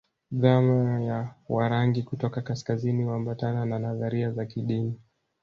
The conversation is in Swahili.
Dhana ya Warangi kutoka kaskazini huambatana na nadharia za kidini